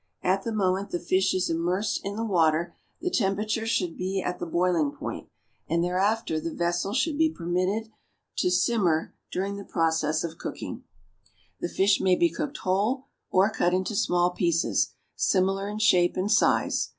At the moment the fish is immersed in the water the temperature should be at the boiling point, and thereafter the vessel should be permitted to simmer during the process of cooking. The fish may be cooked whole, or cut into small pieces, similar in shape and size.